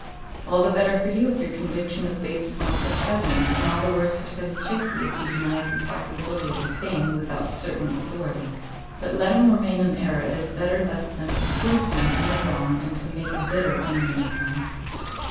"All the better for you if your conviction is based upon such evidence, and all the worse for Salicetti if he denies the possibility of the thing without certain authority. But let him remain in error; it is better thus than to prove him in the wrong and to make a bitter enemy of him."